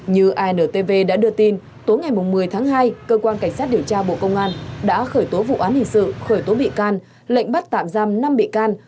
như intv đã đưa tin tối ngày một mươi tháng hai cơ quan cảnh sát điều tra bộ công an đã khởi tố vụ án hình sự khởi tố bị can lệnh bắt tạm giam năm bị can